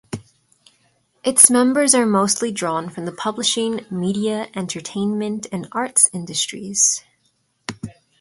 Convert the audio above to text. Its members are mostly drawn from the publishing, media, entertainment and arts industries.